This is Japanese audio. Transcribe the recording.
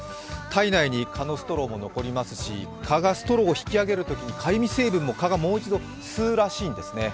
胎内に蚊のストローも残りますし、蚊がストローを引き上げるときにかゆみ成分も、蚊がもう一度吸うらしいんですね。